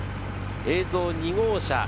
映像２号車。